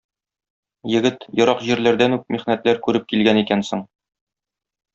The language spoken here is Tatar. Егет, ерак җирләрдән үк михнәтләр күреп килгән икәнсең.